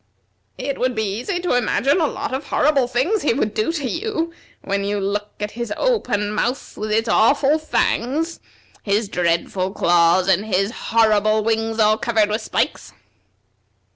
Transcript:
It would be easy to imagine a lot of horrible things he would do to you when you look at his open mouth with its awful fangs, his dreadful claws, and his horrible wings all covered with spikes."